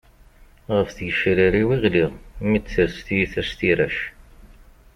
Ɣef tgecrar-iw i ɣliɣ, mi d-tres tyita s tirac.